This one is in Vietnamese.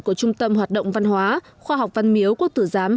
của trung tâm hoạt động văn hóa khoa học văn miếu quốc tử giám hai nghìn một mươi tám